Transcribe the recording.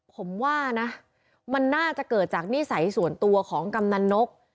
ผมว่านะมันน่าจะเกิดจากนิสัยส่วนตัวของกำนันนก